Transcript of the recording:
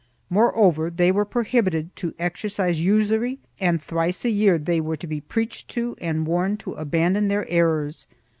Moreover they were prohibited to exercise usury and thrice a year they were to be preached to and warned to abandon their errors.